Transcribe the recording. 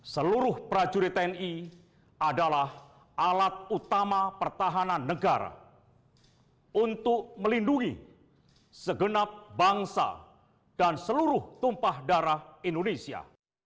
seluruh prajurit tni adalah alat utama pertahanan negara untuk melindungi segenap bangsa dan seluruh tumpah darah indonesia